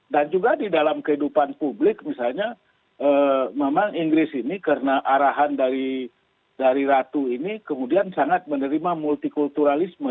dan juga di dalam kehidupan publik misalnya memang inggris ini karena arahan dari ratu ini kemudian sangat menerima multikulturalisme